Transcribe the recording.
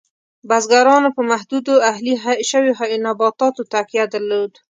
بزګرانو په محدودو اهلي شویو نباتاتو تکیه درلود.